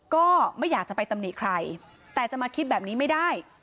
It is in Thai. ก็ไม่อยากจะไปตำหนิใครแต่จะมาคิดแบบนี้ไม่ได้